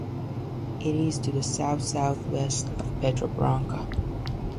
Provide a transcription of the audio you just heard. It is to the south-south-west of Pedra Branca.